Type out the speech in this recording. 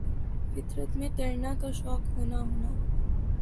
فطر ت میں تیرنا کا شوق ہونا ہونا